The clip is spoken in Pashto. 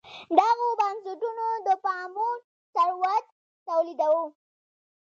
دغو بنسټونو د پاموړ ثروت تولیداوه.